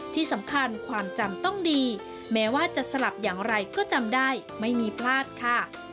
ที่สำคัญความจำต้องดีแม้ว่าจะสลับอย่างไรก็จำได้ไม่มีพลาดค่ะ